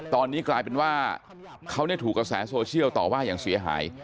ตอนนี้กลายเป็นว่าเขาถูกกระแสโซเชียลต่อว่าอย่างเสียหาย